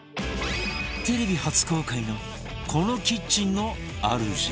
テレビ初公開のこのキッチンのあるじ